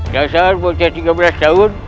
sebenarnya saya sudah tiga belas tahun